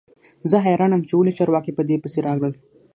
زه حیران یم چې ولې چارواکي په دې پسې راغلل